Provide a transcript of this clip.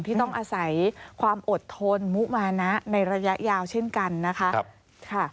ที่ต้องอาศัยความอดทนมุมานะในระยะยาวเช่นกันนะคะ